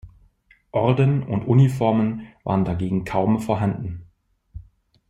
Orden und Uniformen waren dagegen kaum vorhanden.